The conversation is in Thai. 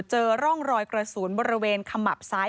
เจอร่องรอยกระสุนบริเวณขมับซ้าย